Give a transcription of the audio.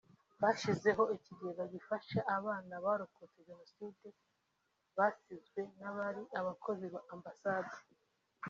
zashyizeho ikigega gifasha abana barokotse Jenoside basizwe n’abari abakozi ba Ambasade